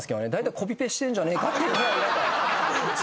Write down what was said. コピペしてんじゃねえかってぐらい。